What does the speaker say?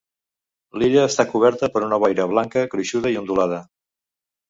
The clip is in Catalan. L'illa està coberta per una boira blanca gruixuda i ondulada.